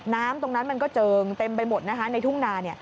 น้ำตรงนั้นมันก็เจิงเต็มไปหมดนะคะในทุ่งนา